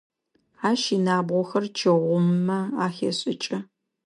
Ащ инабгъохэр чы гъумымэ ахешӏыкӏы.